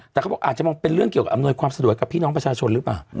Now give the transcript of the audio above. แต่เขาบอกอาจจะมองเป็นเรื่องเกี่ยวกับอำนวยความสะดวกกับพี่น้องประชาชนหรือเปล่า